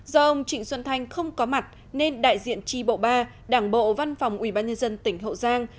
do ông trịnh xuân thanh không có mặt nên đại diện tri bộ ba đảng bộ văn phòng ủy ban nhân dân tỉnh hậu giang